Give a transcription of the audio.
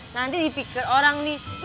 nanti dipikir orang nih